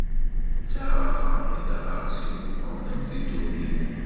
D taɣaɣa i d aɣersiw meqqren akk deg ddunit.